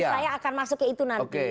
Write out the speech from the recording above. oh ya itu saya akan masuk ke itu nanti